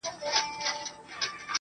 لومړۍ نیوکه دا راوړاندې شي